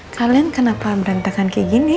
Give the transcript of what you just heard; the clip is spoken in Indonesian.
kalian kenapa berantakan kayak gini